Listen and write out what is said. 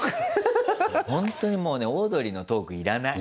ほんとにもうねオードリーのトーク要らない。